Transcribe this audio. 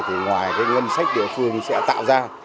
thì ngoài ngân sách địa phương sẽ tạo ra